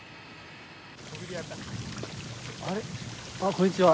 こんにちは。